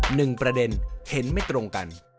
หนึ่งประเด็นเห็นไม่ตรงกัน